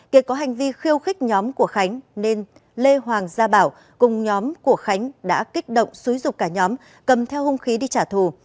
kiệt có hành vi khiêu khích nhóm của khánh nên lê hoàng gia bảo cùng nhóm của khánh đã kích động xúi dục cả nhóm cầm theo hung khí đi trả thù